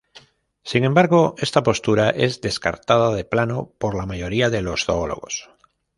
Sin embargo, esta postura es descartada de plano por la mayoría de los zoólogos.